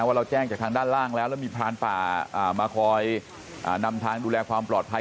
ว่าเราแจ้งจากทางด้านล่างแล้วแล้วมีพรานป่ามาคอยนำทางดูแลความปลอดภัย